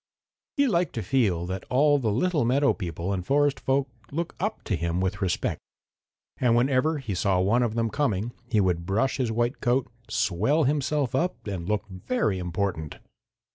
He liked to feel that all the little meadow people and forest folks looked up to him with respect, and whenever he saw one of them coming he would brush his white coat, swell himself up and look very important.